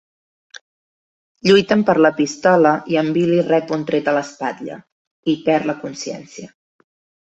Lluiten per la pistola i en Billy rep un tret a l'espatlla, i perd la consciència.